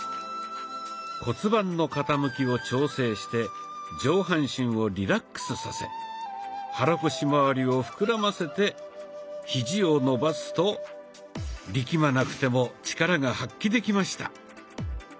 骨盤の傾きを調整して上半身をリラックスさせ肚腰まわりを膨らませてヒジを伸ばすと力まなくても力が発揮できました。